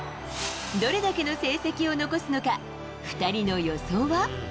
どれだけの成績を残すのか、２人の予想は？